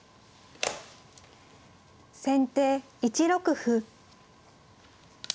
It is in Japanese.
先手１六歩。